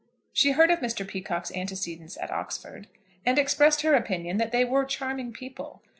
She heard of Mr. Peacocke's antecedents at Oxford, and expressed her opinion that they were charming people.